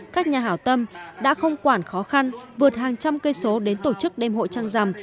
các nhà hảo tâm đã không quản khó khăn vượt hàng trăm cây số đến tổ chức đêm hội trăng rằm